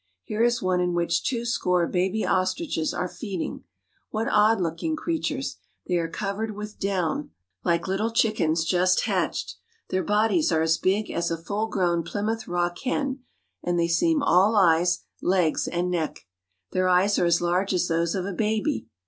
Here is one in which two score baby ostriches are feeding. What odd looking creatures ! They are covered with down, like little A VISIT TO AN OSTRICH FARM 29I chickens just hatched ; their bodies are as big. as a full grown Plymouth Rock hen, and they seem all eyes, legs, and neck. > Their eyes are as large as those of a baby.